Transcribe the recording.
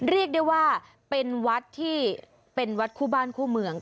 เรียกว่าเป็นวัดคู่บ้านคู่เหมือง